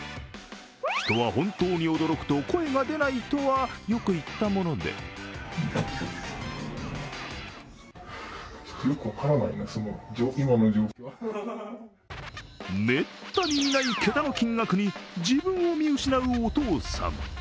人は本当に驚くと声が出ないとはよく言ったものでめったに見ない桁の金額に自分を見失うお父さん。